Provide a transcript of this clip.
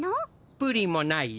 プリンもないよ。